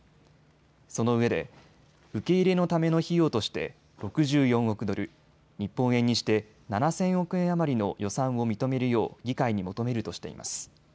そのうえで受け入れのための費用として６４億ドル、日本円にして７０００億円余りの予算を認めるよう議会に求めるとしています。